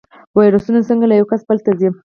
ویروسونه څنګه له یو کس بل ته ځي؟